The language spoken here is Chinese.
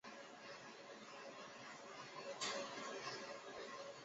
有些原住民使用美丽耧斗菜制作香水。